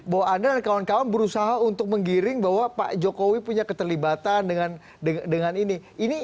bahwa anda dan kawan kawan berusaha untuk menggiring bahwa pak jokowi punya keterlibatan dengan ini